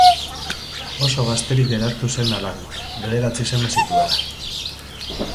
Oso gazterik geratu zen alargun, bederatzi seme zituela.